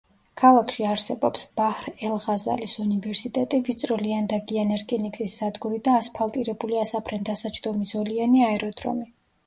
ქალაქში არსებობს ბაჰრ-ელ-ღაზალის უნივერსიტეტი, ვიწროლიანდაგიანი რკინიგზის სადგური და ასფალტირებული ასაფრენ-დასაჯდომი ზოლიანი აეროდრომი.